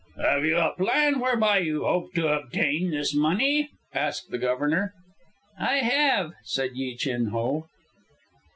"Have you a plan whereby you hope to obtain this money?" asked the Governor. "I have," said Yi Chin Ho.